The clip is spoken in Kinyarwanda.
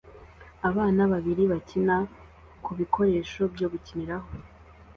Abana babiri bakina ku bikoresho byo gukiniraho